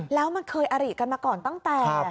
แล้วเกอร์อารีกันมาก่อนตั้งแต่